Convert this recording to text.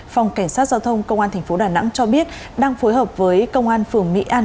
phòng cảnh sát giao thông công an tp đà nẵng cho biết đang phối hợp với công an phường mỹ an